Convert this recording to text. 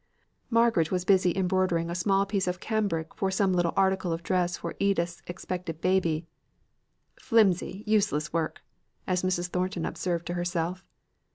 Margaret was busy embroidering a small piece of cambric for some little article of dress for Edith's expected baby "Flimsy, useless work," as Mrs. Thornton observed to herself.